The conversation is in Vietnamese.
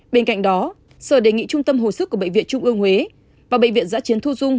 bên cạnh đó sở đề nghị trung tâm hồ sức của bệnh viện trung ương huế và bệnh viện giã chiến thu dung